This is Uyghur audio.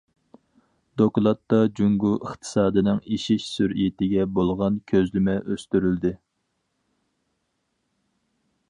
دوكلاتتا جۇڭگو ئىقتىسادىنىڭ ئېشىش سۈرئىتىگە بولغان كۆزلىمە ئۆستۈرۈلدى.